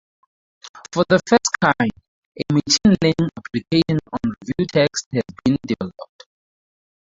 For the first kind, a machine learning application on review text has been developed.